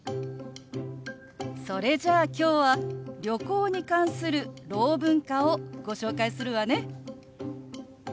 それじゃあ今日は旅行に関するろう文化をご紹介するわね。